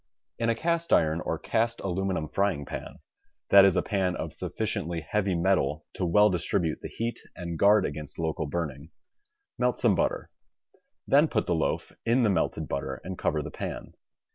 In a cast iron or cast aluminum frying pan (that is a pan of sufficiently heavy metal to well distribute thje heat and guard against local burning) melt some butter, then put the loaf in the melted butter and cover the pan.